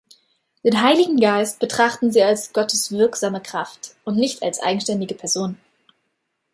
Den Heiligen Geist betrachten sie als "Gottes wirksame Kraft" und nicht als eigenständige Person.